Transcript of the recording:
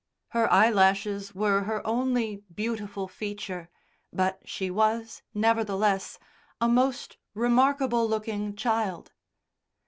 Her eyelashes were her only beautiful feature, but she was, nevertheless, a most remarkable looking child.